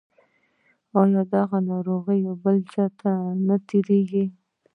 ایا دا ناروغي بل چا ته تیریږي؟